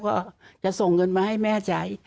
ก็จะส่งเงินมาให้แม่ใช้